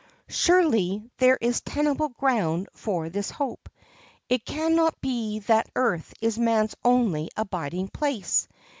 Surely, there is tenable ground for this hope! It can not be that earth is man's only abiding place.